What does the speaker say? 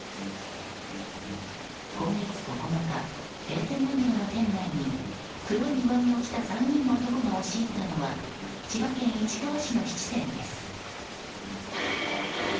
今月９日、閉店間際の店内に黒い上着を着た３人の男が押し入ったのは千葉県市川市の質店です。